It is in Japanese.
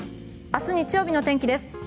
明日、日曜日の天気です。